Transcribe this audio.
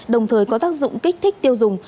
đồng thời có tác dụng kích thích tiêu dùng